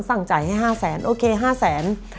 สั่งจ่ายให้๕แสนโอเค๕แสน